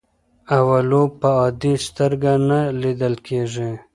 اولو په عادي سترګو نه لیدل کېږي.